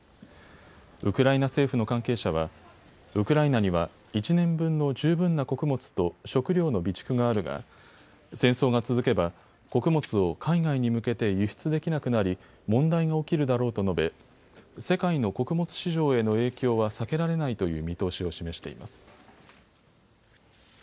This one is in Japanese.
ウクライナ政府の関係者はウクライナには１年分の十分な穀物と食料の備蓄があるが戦争が続けば穀物を海外に向けて輸出できなくなり問題が起きるだろうと述べ、世界の穀物市場への影響は避けられないという見通しを示しています。